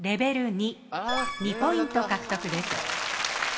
２ポイント獲得です。